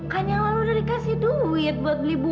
kan yang lalu udah dikasih duit buat beli buku